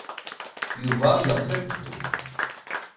Yuba yeɣs ad teddum.